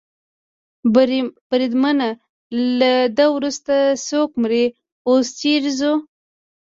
بریدمنه، له ده وروسته څوک مري؟ اوس چېرې ځو؟